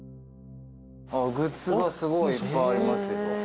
・グッズがすごいいっぱいありますよ。